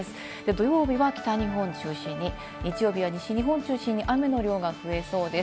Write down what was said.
土曜日は北日本を中心に、日曜日は西日本を中心に雨の量が増えそうです。